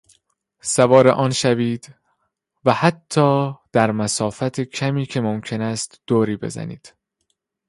سوار آن شوید و حتی در مسافت کمی که ممکن است دوری بزنید.